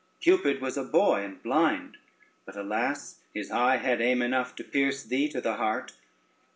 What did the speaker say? Cupid was a boy and blind; but, alas, his eye had aim enough to pierce thee to the heart.